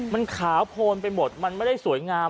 มันขาวโพนไปหมดมันไม่ได้สวยงาม